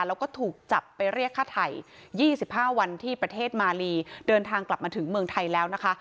แล้วก็ถูกจับไปเรียกฆ่าไทย๒๕วันที่ประเทศมาลีเดินทางกลับมาถึงเมืองไทยแล้วนะคะ